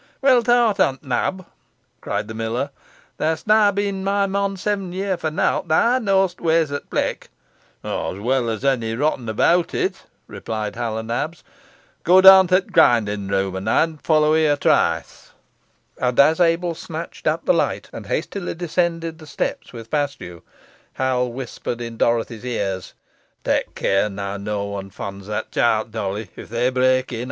"Weel thowt on, Nab," cried the miller, "theawst nah been mey mon seven year fo nowt. Theaw knoas t' ways o' t' pleck." "Os weel os onny rotten abowt it," replied Hal o' Nabs. "Go down to t' grindin' room, an ey'n follow i' a troice." And as Abel snatched up the light, and hastily descended the steps with Paslew, Hal whispered in Dorothy's ears "Tak care neaw one fonds that chilt, Dolly, if they break in.